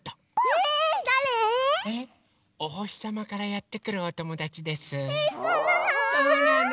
えそうなの？